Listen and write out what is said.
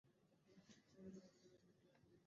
মা, তুমি আমাকে চাবিগুলো দেবে প্লিজ?